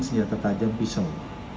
menyelamatkan senjata tajam pisau